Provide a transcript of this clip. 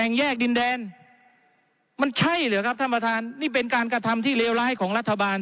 แยกดินแดนมันใช่เหรอครับท่านประธานนี่เป็นการกระทำที่เลวร้ายของรัฐบาล